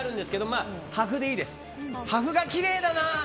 ああ、破風がきれいだな。